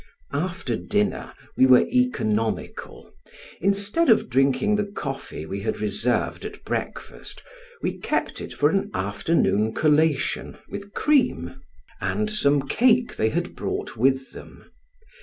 After dinner, we were economical; instead of drinking the coffee we had reserved at breakfast, we kept it for an afternoon collation, with cream, and some cake they had brought with them.